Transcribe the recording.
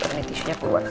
ini tisunya keluar